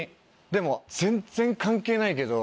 でも全然関係ないけど。